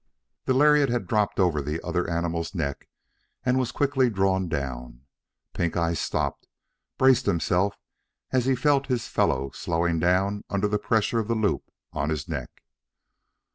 The lariat had dropped over the other animal's neck and was quickly drawn down. Pinkeye stopped, braced himself as he felt his fellow slowing down under the pressure of the loop on his neck.